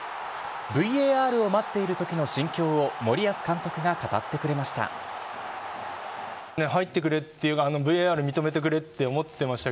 ＶＡＲを待っているときの心境を、森保監督が語ってくれました。